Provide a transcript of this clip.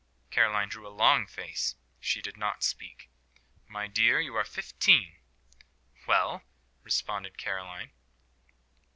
Caroline drew a long face. She did not speak. "My dear, you are fifteen." "Well?" responded Caroline.